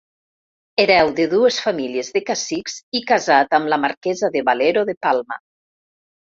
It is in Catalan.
Hereu de dues famílies de cacics i casat amb la marquesa de Valero de Palma.